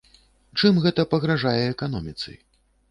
Чым гэта пагражае эканоміцы?